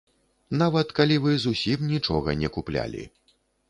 Нават калі вы зусім нічога не куплялі.